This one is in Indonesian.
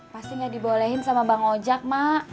pasti nggak dibolehin sama bang ojak mak